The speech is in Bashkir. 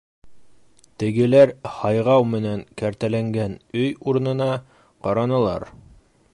Тегеләр һайғау менән кәртәләнгән өй урынына ҡаранылар: